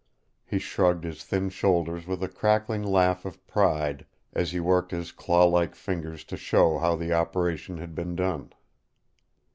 He shrugged his thin shoulders with a cackling laugh of pride as he worked his claw like fingers to show how the operation had been done.